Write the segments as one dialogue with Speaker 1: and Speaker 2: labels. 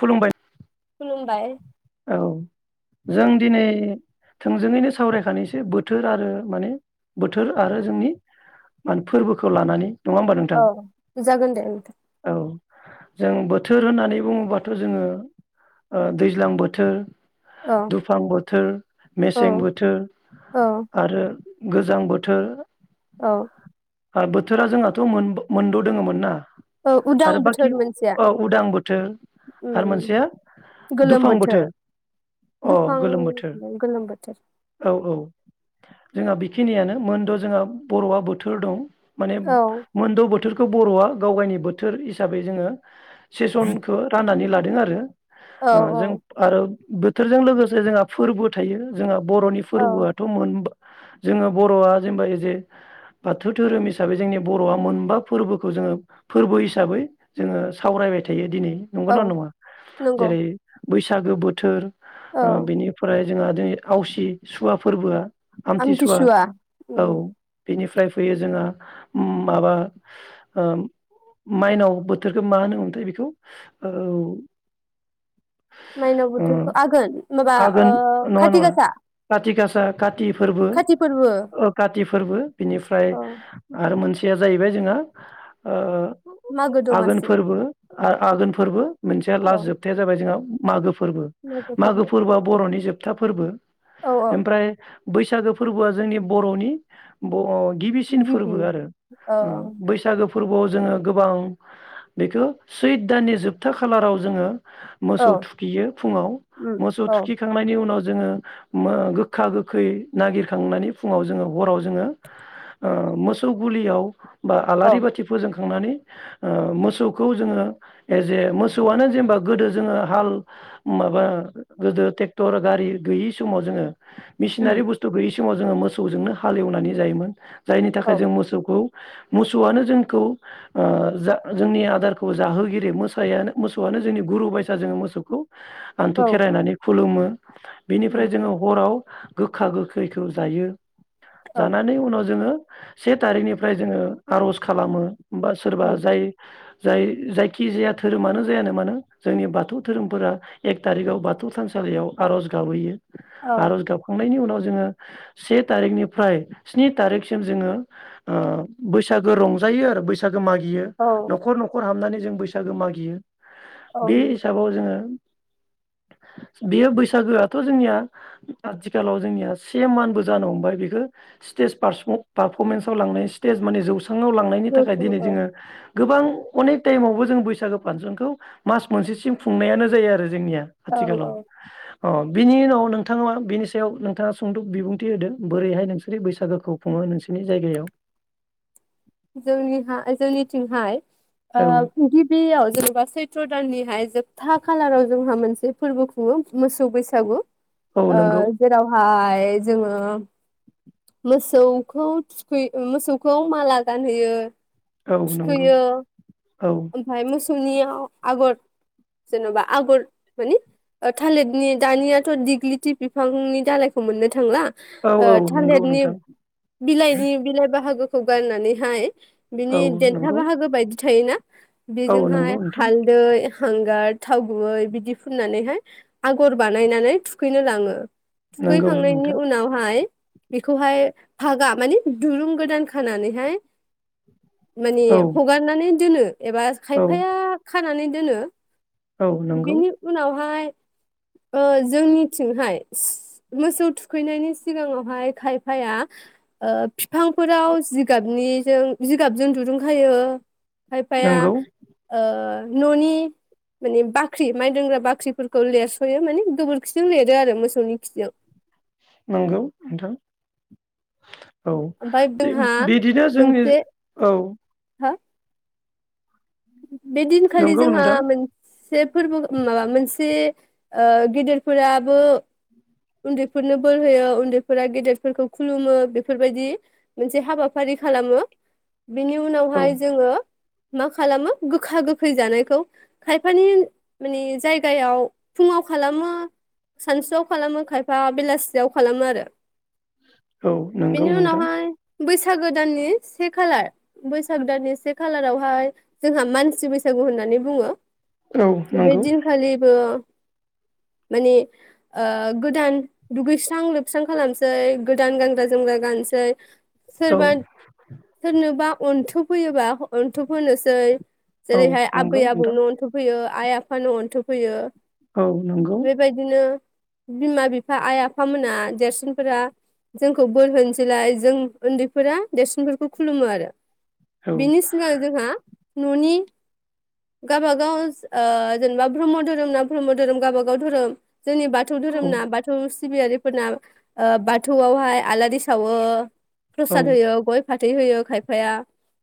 Speaker 1: खुलुमबाय
Speaker 2: खुलुमबाय
Speaker 1: औ जों दिनै थोंजोङैनो सावरायखानोसै बोथोर आरो माने बोथोर आरो जोंनि फोरबोखौ लानानै नङा होमबा नोंथां
Speaker 2: औ जागोन दे ओं
Speaker 1: औ जों बोथोर होननानै बुङोबाथ' जोङो ओ दैज्लां बोथोर
Speaker 2: औ
Speaker 1: दुफां बोथोर
Speaker 2: औ
Speaker 1: मेसें बोथोर
Speaker 2: औ
Speaker 1: आरो गोजां बोथोर
Speaker 2: औ
Speaker 1: बोथोरा जोंहाथ' मोनद' दोङोमोन ना
Speaker 2: औ उदां
Speaker 1: आरो बाखि
Speaker 2: बोथोर मोनसेया
Speaker 1: ओ उदां बोथोर आरो
Speaker 2: उम
Speaker 1: मोनसेया दुफां बोथोर अ
Speaker 2: दुफां
Speaker 1: गोलोम बोथोर
Speaker 2: गोलोम बोथोर
Speaker 1: औ औ जोंहा बेखिनि मोन द' जोंहा बर'आ बोथोर दं माने
Speaker 2: औ
Speaker 1: मोनद बो बोथोरखौ बर'आ गाव गायनि बोथोर हिसाबै जोङो सेसनखौ राननानै लादों दों आरो
Speaker 2: औ
Speaker 1: ओ जों
Speaker 2: औ
Speaker 1: आरो बोथोरजों लोगोसे जोंहा फोरबो थायो जोंहा बर'नि
Speaker 2: औ
Speaker 1: फोरबोआथ' मोन जोङो बर'आ जेनेबा एजे बाथौ धोरोम हिसाबै जोंनि बर'आ मोनबा फोरबोखौ जोङो फोरबो हिसाबै जोङो सावरायबाय थायो दिनै नंगौ
Speaker 2: औ
Speaker 1: ना नङा
Speaker 2: नंगौ
Speaker 1: जेरै बैसागो बोथोर
Speaker 2: औ
Speaker 1: ओ बेनिफ्राय जोंहा दिनै आवसि सुवा फोरबोआ
Speaker 2: आमथिसुवा
Speaker 1: औ बेनिफ्राय फैयो जोंहा माबा ओ माइनाव बोथोरखौ मा होनोमोनथाय बेखौ ओ
Speaker 2: माइनाव
Speaker 1: ओ
Speaker 2: बोथोरखौ आघोन माबा
Speaker 1: आघोन
Speaker 2: ओ
Speaker 1: नङा
Speaker 2: खाथि
Speaker 1: नङा
Speaker 2: गासा
Speaker 1: काति गासा कत फोरबो
Speaker 2: खाथि फोरबो
Speaker 1: काति फोरबो बिनिफ्राय
Speaker 2: औ
Speaker 1: आरो मोनसे सिया जाहैबाय जोंहा ओ
Speaker 2: मागो दमासि
Speaker 1: आरो आघोन फोरबो मोनसेया
Speaker 2: औ
Speaker 1: लास खोथाया जाबाय जोंहा मागो फोरबो मागो फोरबोआ बर'नि जोब था फोरबो
Speaker 2: औ औ
Speaker 1: ओमफ्राय बैसागो फोरबोआ जोंनि बर'नि बे अ गिबिसिन
Speaker 2: गिबि
Speaker 1: फोरबो आरो
Speaker 2: औ
Speaker 1: ओ बैसागो फोरबोआव जोङो गोबां बेखौ सैथ दाननि जोबथा खालाराव जोङो ओ
Speaker 2: औ
Speaker 1: मोसौ थुखैयो फुङाव
Speaker 2: उम
Speaker 1: मोसौ
Speaker 2: औ
Speaker 1: थुखिखांनायनि उनाव जो जोङो गोखा गोखै नागिरखांनानै फुङाव जोङो हराव जोङो ओ मोसौ गुलियाव बा
Speaker 2: औ
Speaker 1: आलारि बाथि फोजों नानै ओ मोसौखौ एज ए जोङो मोसौनो जेनेबा गोदो जोङो हाल माबा गोदो ट्रेक्टर गारि गैयि समाव जोङो
Speaker 2: उम
Speaker 1: मेसिनारि बुस्थु गैयि समाव जोङो मोसौजोंनो हालेवनानै जायोमोन। जायनि
Speaker 2: औ
Speaker 1: थाखाय जों मोसौखौ मोसौआनो जोंखौ ओ जोंनि आदारखौ जाहोगिरि मोसायानो मोसौआनो जोंनि गुरु बायसा जोङो मोसौखौ आनथु
Speaker 2: औ
Speaker 1: खेरायनानै खुलुमो
Speaker 2: उम
Speaker 1: बेनिफ्राय जोङो हराव गोखा गोखैखौ जायो।
Speaker 2: औ
Speaker 1: जानानै उनाव जोङो से थारिखनिफ्राय जोङो आर'ज खालामो बा
Speaker 2: उम,
Speaker 1: सोरबा जाय जाय जायखिजाया धोरोमानो जायानो मानो जोंनि बाथौ धोरोमफोरा एक थारिखाव बाथौ थानसालियाव आरज गाबहैयो
Speaker 2: औ
Speaker 1: आर'ज गाबखांनायनि उनाव जोङो‌ से थारिकनिफ्राय स्नि थारिकसिम बैसागो रंजायो बैसागो मागियो
Speaker 2: औ
Speaker 1: न'खर न'खर हाबनानै जों बैसागो मागियो
Speaker 2: औ
Speaker 1: बे
Speaker 2: नंगौ
Speaker 1: हिसाबाव जोङो बेयो बैसागोआथ' जोंनिया आथिखालाव जोंनिया से मानबो जानो हमबाय बेखौ स्टेज पारफरमेन्सआव लांनाय स्टेज माने जौ लांनायनि थाखाय
Speaker 2: नोंखौ
Speaker 1: दिनै
Speaker 2: औ
Speaker 1: जोङो गोबां अनेक टाइमावबो जों बैसागो फांसनखौ मास मोनसेसिम खुंनायानो जायो आरो जोंनिया
Speaker 2: औ
Speaker 1: आथिखालाव
Speaker 2: औ
Speaker 1: अ बिनि उनाव नोंथाङा बिनि सायाव नोंथाङा सुंद' बिबुंथि होदों बोरैहाय नोंसोर बैसागोखौ खुङो नोंसोरनि जायगायाव
Speaker 2: जोंनि जोंनिथिंहाय ओ
Speaker 1: औ
Speaker 2: गिबियाव जेनेबा सैत्र दाननिहाय जोबथा खालाराव जोंहा मोनसे फोरबो खुङो मोसौ बैसागु
Speaker 1: औ
Speaker 2: ओ
Speaker 1: नंगौ
Speaker 2: जेरावहाय जोङो मोसौखौ थुखै मोसौखौ माला गान होयो
Speaker 1: औ नंगौ
Speaker 2: थुखैयो
Speaker 1: औ
Speaker 2: ओमफ्राय मोसौ सुनियाव आगर जेन'बा आगर मानि थालिरनि दानियाथ' दिग्लिथि बिफांनि दालायखौ मोननो थांला
Speaker 1: औ
Speaker 2: ओ
Speaker 1: औ नंगौ
Speaker 2: थालिरनि
Speaker 1: नोंथां
Speaker 2: बिलाइनि बिलाइ बाहागोखौ गारनानै [unintelligible]
Speaker 1: औ
Speaker 2: बिनि देन्था
Speaker 1: नंगौ
Speaker 2: बाहागो बायदि थायोना
Speaker 1: औ
Speaker 2: बेजोंहाय
Speaker 1: नंगौ नोंथां
Speaker 2: हालदै हांगार थाव गुबै बिदि फुननानैहाय आगर बानायनानै थुखैनो लाङो
Speaker 1: नंगौ
Speaker 2: थुखैखांनायनि
Speaker 1: नोंथां
Speaker 2: उनावहाय बेखौहाय फागा मानि दुरुं गोदान खानानैहाय मानि
Speaker 1: औ
Speaker 2: हगार नानै दोनो एबा
Speaker 1: औ
Speaker 2: खायफाया खानानै दोनो
Speaker 1: औ नंगौ
Speaker 2: बेनि उनावहाय ओ जोंनिथिंहाय मोसौ थुखैनायनि सिगाङावहाय खायफाया ओ बिफांफोराव जिगाबनि जों जिगाबजों दुरुंखायो खायफाया
Speaker 1: नंगौ
Speaker 2: ओ न'नि माने बाख्रि माइदोनग्रा बाख्रिफोरखौ लिरस'यो माने गोबोरखिजों लिरो आरो मोसौनि खिजों
Speaker 1: नंगौ नोंथां औ
Speaker 2: ओमफ्राय जोंहा
Speaker 1: बिदिनो जोंनि
Speaker 2: मोनसे
Speaker 1: औ
Speaker 2: हा बे दिनखालि
Speaker 1: नंगौ
Speaker 2: जोंहा
Speaker 1: नोंथां
Speaker 2: मोनसे फोरबो माबा मोनसे ओ गेदेरफोराबो उन्दैफोरनो बोर होयो उन्दैफोरा गेदेरफोरखौ खुलुमो बेफोरबायदि मोनसे हाबाफारि खालामो। बिनि
Speaker 1: औ
Speaker 2: उनावहाय जोङो मा खालामो गोखा गोखै जानायखौ खायफानि माने जायगायाव फुङाव खालामो सानसुआव खालामो। खायफा बेलासियाव खालामो आरो
Speaker 1: औ नंगौ
Speaker 2: बेनि
Speaker 1: नोंथां
Speaker 2: उनावहाय बैसागो दाननि से खालार बैसागो दाननि से खालारावहाय जोंहा मानसि बैसागु होननानै बुङो।
Speaker 1: औ नंगौ
Speaker 2: बेदिनखालिबो माने ओ गो दान दुगैस्रां लोबस्रां खालामनोसै गोदान गानग्रा जोमग्रा गाननोसै
Speaker 1: औ
Speaker 2: सोरबा सोरनोबा उनथुफैयोबा अनथुब होनोसै
Speaker 1: औ
Speaker 2: जेरैहाय आबै
Speaker 1: नंगौ नोंथां
Speaker 2: आबौनो अनथुब होयो। आइ आफानो अन्थुब होयो।
Speaker 1: औ नंगौ
Speaker 2: बेबायदिनो बिमा बिफा आइ आफाामोना देरसिनफोरा जोंखौ बोर होनोसैलाय जों उन्दैफोरा देरसिनफोरखौ खुलुमो आरो।
Speaker 1: औ
Speaker 2: बेनि सिगां जोंहा न'नि गाबागाव ओ जेनेबा ब्रह्म धोरोम ना ब्रह्म धोरोम गावबागाव धोरोम जेनिबा बाथौ
Speaker 1: औ
Speaker 2: धोरोम ना बाथौ सिबियारिफोरना ओ बाथौआवहाय आलारि सावो।
Speaker 1: औ
Speaker 2: प्रसाद होयो गय फाथै होयो खायफाया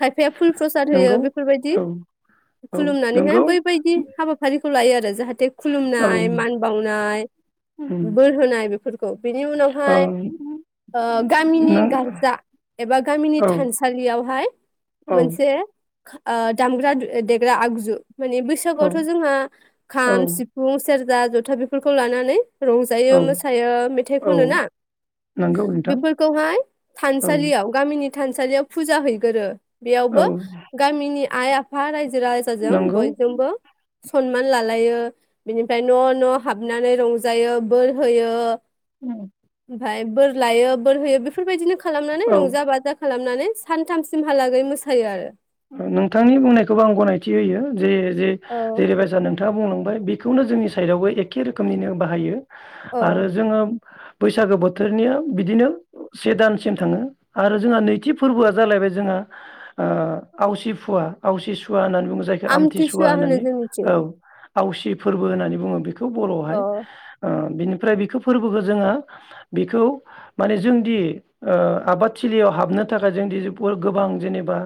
Speaker 2: खायफाया फुल प्रसाद होयो
Speaker 1: नंगौ
Speaker 2: बेफोरबायदि
Speaker 1: औ औ
Speaker 2: खुलुमनानैहाय
Speaker 1: नंगौ
Speaker 2: बैबायदि हाबाफारिखौ लायो आरो। [unintelligible] थे
Speaker 1: औ
Speaker 2: खुलुमुमनाय मान बावनाय
Speaker 1: उम
Speaker 2: बोर होनाय बेफोरखौ बेनि
Speaker 1: औ
Speaker 2: उनावहाय ओ गामिनि
Speaker 1: नों
Speaker 2: गारजा एबा गामिनि
Speaker 1: औ
Speaker 2: थानसालियावहाय
Speaker 1: औ
Speaker 2: मोनसे ओ दामग्रा देग्रा आगजु माने
Speaker 1: औ
Speaker 2: बैसागुआवथ' जोंहा
Speaker 1: औ
Speaker 2: खाम सिफुं सेरजा ज था बेफोरखौ लानानै रंजायो
Speaker 1: औ
Speaker 2: मोसायो मेथाइ
Speaker 1: औ
Speaker 2: खनो ना
Speaker 1: नंगौ नोंथां
Speaker 2: बेफोरखौहाय
Speaker 1: औ
Speaker 2: थानसालियाव गामिनि थानसालियाव फुजा हैगोरो।
Speaker 1: औ
Speaker 2: बेयावबो गामिनि आइ आफा बा राय रायजो राजाजों
Speaker 1: नंगौ
Speaker 2: बयजोंबो सनमान लालायो। बिनिफ्राय न' न' हाबनानै रंज जायो बोर होयो। ओमफ्राय बोर लायो बोर होयो बेफोरबायदिनो खालामनानै
Speaker 1: औ
Speaker 2: रंजा बाजा खालाम नानै सानथामसिमहालागै मोसायो आरो।
Speaker 1: नोंथांनि बुंनायखौबो आं गनायथि होयो जे
Speaker 2: औ
Speaker 1: जे-जेरैबायसा नों खोथा बुंलांबाय बेखौनो जोंनि साइडावबो एखे रोखोमनिनो बाहायो।
Speaker 2: औ
Speaker 1: आरो जोङो बैसागो बोथोरनिया बिदिनो से दानसिम थाङो आरो जोंहा नैथि फोरबोआ जालायबाय जोंहा ओ आवसि फुवा आवसि सुवा होननानै जों जायखौ आमथिसुवा
Speaker 2: होनो
Speaker 1: होननानै
Speaker 2: जोंनिथिं
Speaker 1: औ आवसि फोरबो होननानै बुङो बेखौ।
Speaker 2: अ
Speaker 1: बर'आवहाय बिनिफ्राय बेखौ फोरबोखौ जोंहा बेखौ माने जोंदि ओ आबादथिलियाव हाबनो थाखाय जोंदि गोबां जेनेबा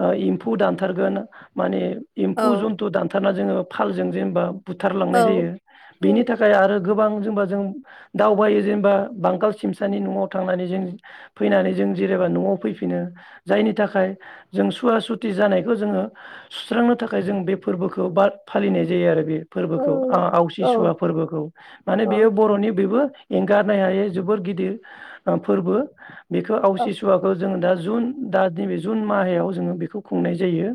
Speaker 1: ओ एम्फौ दानथारगोन माने
Speaker 2: औ
Speaker 1: एम्फु जुनथु दानथार जोङो फालजों जेनेबा
Speaker 2: औ
Speaker 1: बुथारलांनाय जायो। बेनि
Speaker 2: औ
Speaker 1: थाखाय आरो गोबां जेनेबा जों दावबायो जेनेबा बांगाल सिमसानि नयाव थांनानै जों फैनानै जों जेनेबा नयाव फैफिनो जायनि थाखाय जों सुवा सुथि जानायखौ जोङो सुस्रांनो थाखाय जों बे फोरबोखौ बा फालिनाय जायो आरो। बे
Speaker 2: औ
Speaker 1: फोरबोखौ आवसि
Speaker 2: औ
Speaker 1: सुवा फोरबोखौ माने बेयो बर'नि बेबो एंगारनो हायै जोबोर गिदिर ओ फोरबो। बेखौ
Speaker 2: औ
Speaker 1: आवसि सुवाखौ जोंङो दा जुन दा नैबे जुन माहायाव जोङो बेखौ खुंनाय जायो।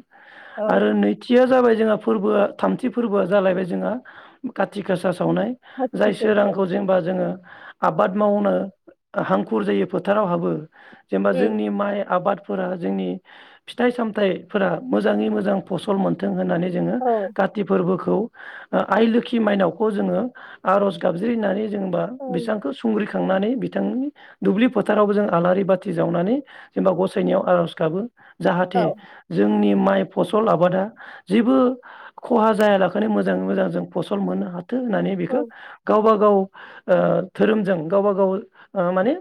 Speaker 2: औ
Speaker 1: आरो नैथिया जाबाय जोंहा फोरबोआ थामथि फोरबो जालायबाय जोंहा काति गासा सा सावनाय।
Speaker 2: खाथि
Speaker 1: जाय
Speaker 2: फोरबो
Speaker 1: सोरांखौ जेनेबा जोङो आबाद मावनो हांखुर जायो फोथाराव हाबो। जेनेबा
Speaker 2: उम
Speaker 1: जोंनि माइ आबाद फोरा जोंनि फिथाइ सामथाइफोरा मोजाङै मोजां फसल मोन्थों होननानै जोङो
Speaker 2: औ
Speaker 1: काथि फोरबो खौ आइ लोखि माइनावखौ जोङो आर'ज गाबज्रिनानै जोंबा
Speaker 2: औ
Speaker 1: बेसांखौ सुंग्रि खांनानै बिथांनि दुब्लि फोथारावबो जों आलारि बाथि जावनानै जेनेबा गसायनायाव आर'ज गाबो। जाहाथे
Speaker 2: औ
Speaker 1: जोंनि माइ फसल आबादा जेबो खहा जायालाखेनो मोजाङै मोजां जों फसल मोननो हा थो होननानै
Speaker 2: औ
Speaker 1: बेखौ गावबा गाव ओ धोरोमजों गावबा गाव ओ माने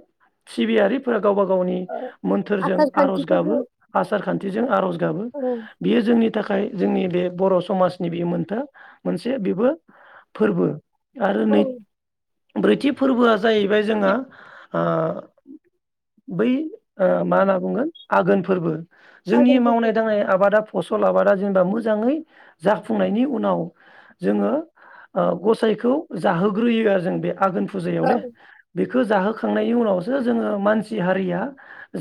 Speaker 1: सिबियारिफोर गावबा गावनि
Speaker 2: औ
Speaker 1: मोन्थोरजों
Speaker 2: आसार
Speaker 1: आर'ज गाबो।
Speaker 2: खान्थिफोरजों
Speaker 1: आसार खान्थिजों आर'ज गाबो।
Speaker 2: औ
Speaker 1: बियो जोंनि नि थाखाय जोंनि बे बर' समाजनि बि मोनथो मोनसे बेबो फोरबो। आरो
Speaker 2: औ
Speaker 1: नै ब्रैथि फोरबोआ जाहैबाय जोंहा ओ बै ओ मा होनना बुंगोन आघोन फोरबो जोंनि
Speaker 2: आघोन फोरबो
Speaker 1: मावनाय दांनाय आबादा फसल आबादा जेनेबा मोजाङै जाफुंनायनि उनाव जोङो ओ गसाइखौ जाहोग्रोयो आरो जों बे आघोन
Speaker 2: औ
Speaker 1: फुजायावलै बे बेखौ जाहोखांनायनि उनावसो जोङो मानसि हारिया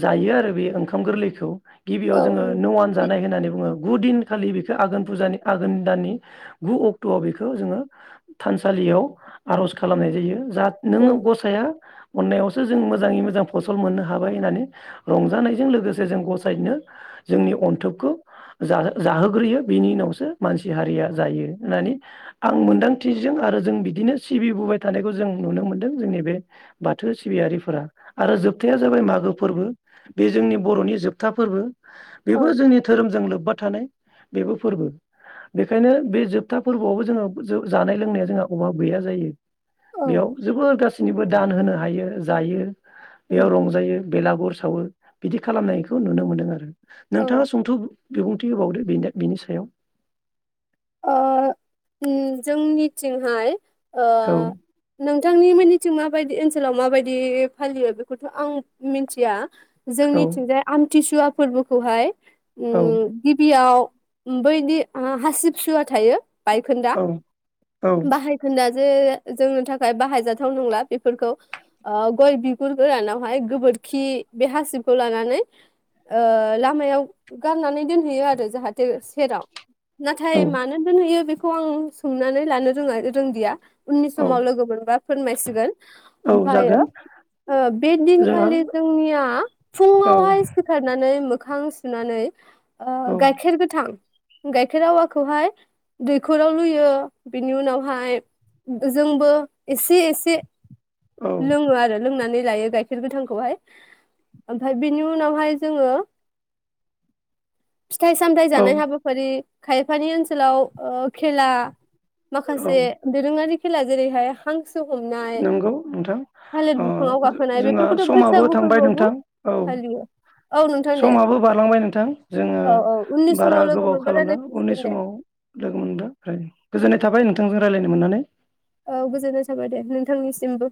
Speaker 1: जायो आरो बे ओंखाम गोरलै खौ। गिबियाव
Speaker 2: औ
Speaker 1: जोङो नवान जानाय होननानै बुङो। गु दिनखालि बेखौ आघोन फुजानि आघोन दाननि गु अक्टयाव बेखौ जोङो थानसालियाव आर'ज खालामनाय जायो। जा
Speaker 2: औ
Speaker 1: नों गसाया अननायावसो जों मोजाङै मोजां फसल मोननो हाबाय होननानै रंजानायजों लोगोसे जों गसायनो जोंनि अन्थोबखौ जाहो-जाहोग्रोयो। बिनि उनावसो मानसि हारिया जायो होननानै आं मोनदांथिजों आरो जों बिदिनो सिबिबोबाय थानायखौ जों नुनो मोन्दों। जोंनि बे बाथौ सिबियारिफोरा आरो जोबथाया जाबाय मागो फोरबो बे जोंनि बर'नि जोबथा फोरबो। बेबो
Speaker 2: औ
Speaker 1: जोंनि धोरोमजों लोब बा थानाय बेबो फोरबो। बेखायनो बे जोबथा फोरबोआवबो जोङो जानाय लोंनाया जोंहा अभाब गैया जायो।
Speaker 2: औ
Speaker 1: बेयाव जोबोर गास बिनिबो दान होनो हायो जायो।
Speaker 2: उम
Speaker 1: बेयाव रंजायो बेलागुर सावो। बिदि खालामनायखौ नुनो मोन्दों आरो।
Speaker 2: औ
Speaker 1: नोंथाङा सुंथु बिबुंथि थि होबावदो बिनि सायाव
Speaker 2: ओ उम जोंनिथिंहाय ओ
Speaker 1: औ
Speaker 2: नोंथांनि मोननि थिं माबायदि ओनसोलाव माबायदि फालियो बेखौथ' आं मिनथिया
Speaker 1: औ
Speaker 2: जोंनिथिंजाय आम थिसुवा फोरबोखौहाय
Speaker 1: औ
Speaker 2: उम गिबियाव ओम बैदि आ हासिब सुवा थायो। बायखोन्दा
Speaker 1: औ औ
Speaker 2: बाहायखोन्दा जे जोंनि थाखाय बाहायजाथाव नंला बेफोरखौ ओ गय बिगुर गोरानावहाय गोबोरखि बे हासिबखौ लानानै ओ लामायाव गारनानै दोनहैयो आरो जाहाथे सेराव थाय
Speaker 1: औ
Speaker 2: मानो दोनहोयो बे खौ आं सोंनानै लानो रोङा रोंदिया उननि
Speaker 1: औ
Speaker 2: समाव लोगो मोनबा फोरमायसिगोन
Speaker 1: औ
Speaker 2: ओमफायो
Speaker 1: जागोन
Speaker 2: बे
Speaker 1: जोंहा
Speaker 2: दिनखालि जोंनिया
Speaker 1: औ
Speaker 2: फुङावहाय सिखारनानै मो मोखां सुनानै ओ
Speaker 1: औ
Speaker 2: गाइखेर गोथां गायखेर आवा खौहाय दैखराव लुयो बेनि उनावहाय जोंबो एसे एसे
Speaker 1: औ
Speaker 2: लोङो आरो लोंनानै लायो गाइखेर गोथांखौहाय ओमफाय बेनि उनावहाय जोङो फिथाइ सामथाइ
Speaker 1: औ
Speaker 2: जानाय हाबाफारि खायफानि ओनसोलाव ओ खेला
Speaker 1: औ
Speaker 2: माखासे दोरोङारि खेला जेरैहाय हांस सो हमनाय
Speaker 1: नंगौ नोंथां ओ
Speaker 2: बिफाङाव गाखोनाय
Speaker 1: जोंहा
Speaker 2: बेफोरखौथ'
Speaker 1: समाबो
Speaker 2: बैसागु
Speaker 1: थांबाय
Speaker 2: फोरबोआवबो
Speaker 1: नोंथां औ
Speaker 2: फालियो औ नोंथां दे
Speaker 1: समाबो बारलांबाय नोंथां जोङो
Speaker 2: औ औ उननि
Speaker 1: बारा
Speaker 2: समाव लोगो
Speaker 1: गोबाव
Speaker 2: मोनबा
Speaker 1: खालामला उननि
Speaker 2: रायलायफिनसिगोन दे
Speaker 1: समाव लोगो मोनब्ला रायलायगोन गोजोननाय थाबाय नोंथांजों रायज्लायनो मोननानै
Speaker 2: औ गोजोननाय थाबाय दे नोंथांनिसिमबो